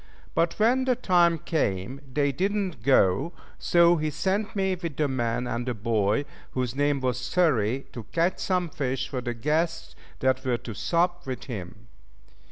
But when the time came they did not go, so he sent me with the man and the boy whose name was Xury to catch some fish for the guests that were to sup with him.